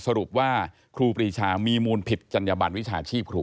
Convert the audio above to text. สรุปว่าครูปรีชามีมูลผิดจัญญบันวิชาชีพครู